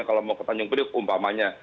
kalau mau ke tanjung priuk umpamanya